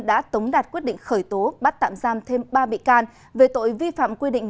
đã tống đạt quyết định khởi tố bắt tạm giam thêm ba bị can về tội vi phạm quy định